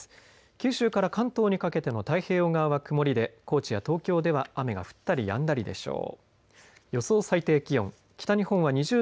九州から関東にかけての太平洋側は曇りで高知や東京では雨が降ったりやんだりでしょう。